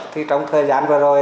thì trong thời gian vừa rồi